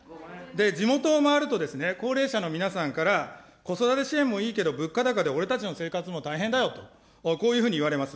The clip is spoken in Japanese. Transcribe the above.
地元を回ると、高齢者の皆さんから、子育て支援もいいけど、物価高で俺たちの生活も大変だよと、こういうふうに言われます。